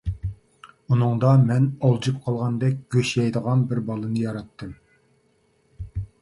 ئۇنىڭدا مەن ئالجىپ قالغاندەك گۆش يەيدىغان بىر بالىنى ياراتتىم.